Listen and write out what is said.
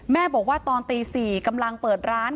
แม่บอกว่าตอนตี๔กำลังเปิดร้าน